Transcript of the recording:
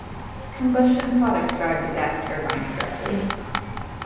Combustion products drive the gas turbines directly.